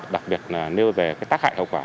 đặc biệt là nếu về tác hại hậu quả